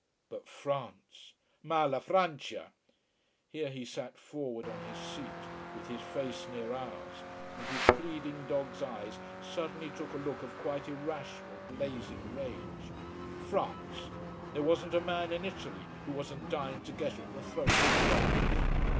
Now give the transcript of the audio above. But France ma la Francia! Here he sat forward on his seat, with his face near ours, and his pleading dog's eyes suddenly took a look of quite irrational blazing rage. France! There wasn't a man in Italy who wasn't dying to get at the throat of France.